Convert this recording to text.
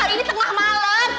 ini tengah malem